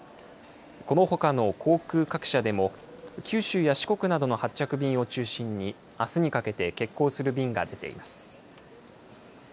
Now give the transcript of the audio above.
このほかの航空各社でも九州や四国などの発着便を中心にあすにかけて欠航する便が出ています。